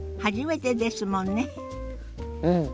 うん。